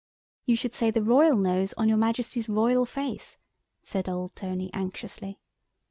"You should say the royal nose on your Majesty's royal face," said old Tony anxiously.